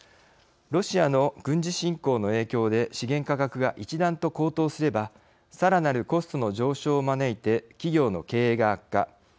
ロシアの軍事侵攻の影響で資源価格が一段と高騰すればさらなるコストの上昇を招いて企業の経営が悪化。